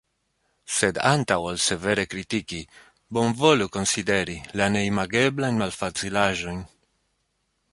Sed antaŭ ol severe kritiki, bonvolu konsideri la neimageblajn malfacilaĵojn.